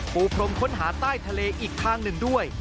ปูพรมค้นหาใต้ทะเลอีกทางหนึ่งด้วย